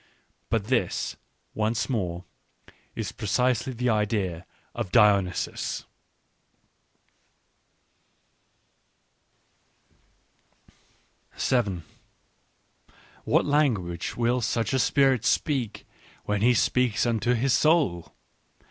... But this, once more, is precisely the idea of Dionysus. What language will such a spirit speak, when he speaks unto his soul